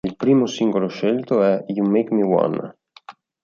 Il primo singolo scelto è "You Make Me Wanna".